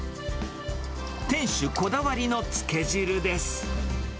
店主こだわりのつけ汁です。